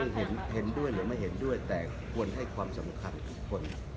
เห็นด้วยหรือไม่เห็นด้วยแต่ควรให้ความสำคัญทุกคน